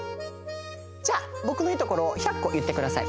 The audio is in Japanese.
じゃあぼくのいいところを１００こいってください。